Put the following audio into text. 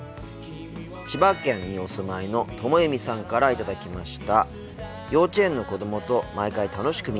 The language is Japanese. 千葉県にお住まいのともゆみさんから頂きました。